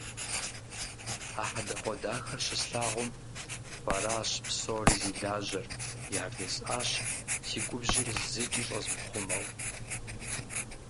А хьэдэгъуэдахэр щыслъагъум, «Фэращ псори зи лажьэр!» яжесӏащ, си губжьыр зыкӏи щӏэзмыхъумэу.